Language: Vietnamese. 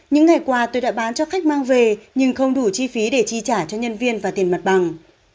những ngày qua tôi đã bán cho khách mang về nhưng không đủ chi phí để chi trả cho nhân viên và tiền mặt bằng